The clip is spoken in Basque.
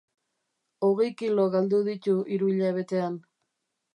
Hogei kilo galdu ditu hiru hilabetean.